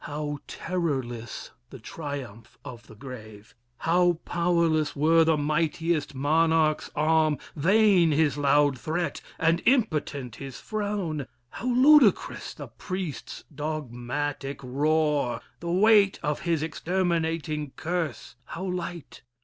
How terrorless the triumph of the grave! How powerless were the mightiest monarch's arm, Vain his loud threat and impotent his frown! How ludicrous the priest's dogmatic roar! The weight of his exterminating curse, How light!